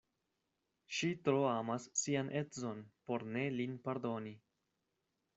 Ŝi tro amas sian edzon por ne lin pardoni.